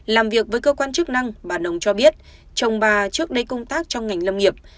làm việc với cơ quan chức năng bà nông cho biết chồng bà trước đây công tác trong ngành lâm nghiệp